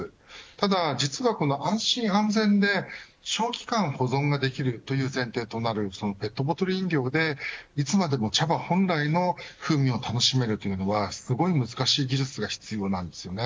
ただ実は、この安心、安全で長期間保存ができるという前提となるそのペットボトル飲料でいつまでも茶葉本来の風味を楽しめるというのはすごい難しい技術が必要なんですよね。